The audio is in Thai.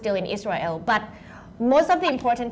แต่เก่งกันอิสรัยังค์เป็นที่สักประเทศ